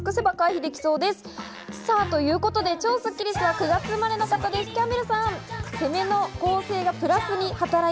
超スッキりすは９月生まれの方です、キャンベルさん。